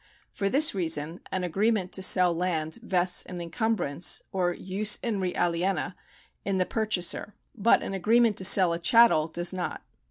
For this reason an agreement to sell land vests an encumbrance or jus in re aliena in the purchaser ; but an agreement to sell a chattel does not.